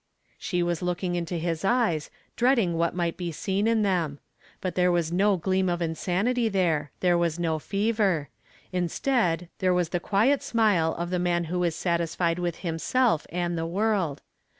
She was looking into his eyes, dreading what might be seen in them. But there was no gleam of insanity there, there was no fever; instead there was the quiet smile of the man who is satisfied with himself and the world.